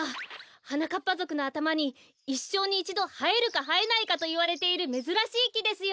はなかっぱぞくのあたまにいっしょうにいちどはえるかはえないかといわれているめずらしいきですよ。